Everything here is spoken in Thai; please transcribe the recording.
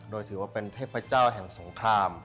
โดยถือว่าเป็นเทพเจ้าแห่งสงคราม